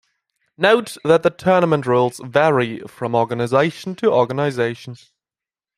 Note that the tournament rules vary from organization to organization.